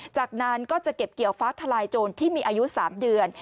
จากนั้นก็จะเก็บเกี่ยวฟ้าทลายโจรที่มีอายุ๓เดือน